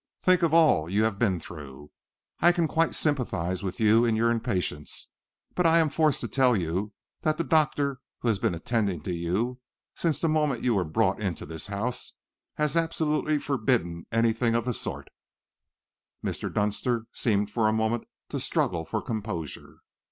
Think of all you have been through. I can quite sympathise with you in your impatience, but I am forced to tell you that the doctor who has been attending you since the moment you were brought into this house has absolutely forbidden anything of the sort." Mr. Dunster seemed, for a moment, to struggle for composure.